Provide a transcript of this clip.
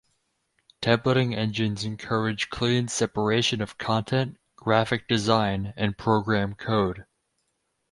Templating engines encourage clean separation of content, graphic design, and program code.